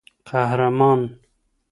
قهرمان